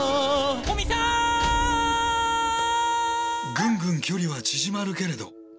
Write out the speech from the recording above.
ぐんぐん距離は縮まるけれど。